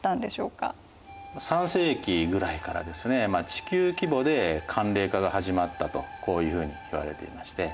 地球規模で寒冷化が始まったとこういうふうにいわれていまして